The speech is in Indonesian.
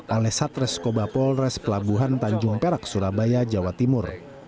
alesat reskoba polres pelabuhan tanjung perak surabaya jawa timur